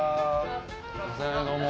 すいません、どうも。